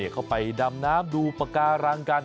เข้าไปดำน้ำดูปากการังกัน